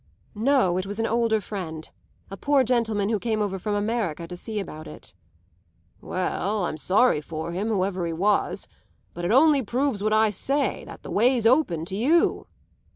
"No, it was an older friend; a poor gentleman who came over from America to see about it." "Well, I'm sorry for him, whoever he was. But it only proves what I say that the way's open to you."